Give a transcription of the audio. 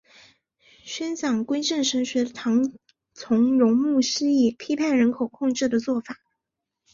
宣讲归正神学的唐崇荣牧师也批判人口控制的做法。